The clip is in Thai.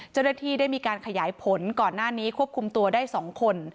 เจ้าหน้าที่ได้มีการขยายผลก่อนหน้านี้ควบคุมตัวได้๒คน